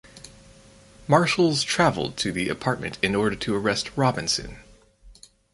Marshals traveled to the apartment in order to arrest Robinson.